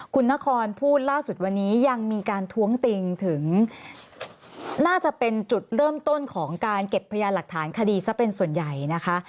คุณนครพูดล่าสุดวันนี้ยังมีการท้วงติงถึงน่าจะเป็นจุดเริ่มต้นของการเก็บพยานหลักฐานคดีซะเป็นส่วนใหญ่นะคะ